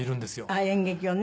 あっ演劇をね。